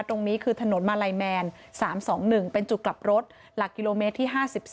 ตรงนี้คือถนนมาลัยแมน๓๒๑เป็นจุดกลับรถหลักกิโลเมตรที่๕๔